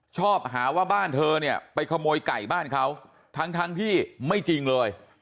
ชอบหาว่าบ้านเธอเนี่ยไปขโมยไก่บ้านเขาทั้งที่ไม่จริงเลย